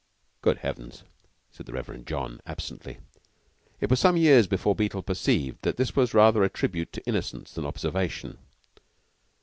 "Good heavens!" said the Reverend John absently. It was some years before Beetle perceived that this was rather a tribute to innocence than observation.